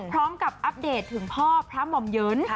พร้อมกับอัพเดทถึงพ่อพระหม่อมเยิน